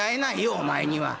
お前には。